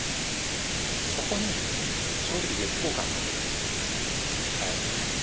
そこに正直絶望感がある。